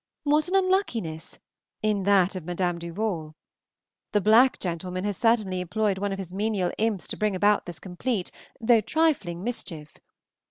What an unluckiness! in that of Madame Duval. The black gentleman has certainly employed one of his menial imps to bring about this complete, though trifling mischief.